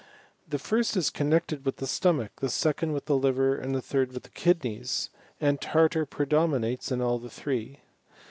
The first is connected with the stomach, the second with the liver, and the third with the kidneys ; and tartar predominates in all the three.